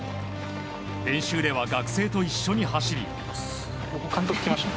練習では、学生と一緒に走り。